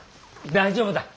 大丈夫だ。